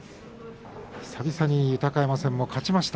久々に豊山戦勝ちました。